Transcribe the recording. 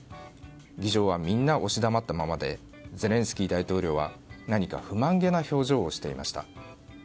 議場はみんな押し黙ったままでゼレンスキー大統領は何か不満げな表情をしていました。